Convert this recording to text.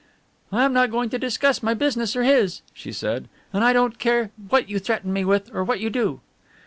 "I am not going to discuss my business or his," she said, "and I don't care what you threaten me with or what you do."